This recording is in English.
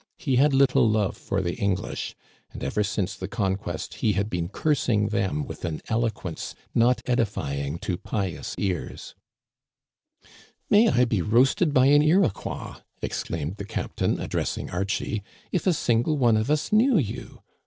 He had little love for the English, and ever since the conquest he had been cursing them with an eloquence not edifying to pious ears. Digitized by VjOOQIC 234 ^^^ CANADIANS OF OLD. " May I be roasted by an Iroquois," exclaimed the captain, addressing Archie, " if a single one of us knew you.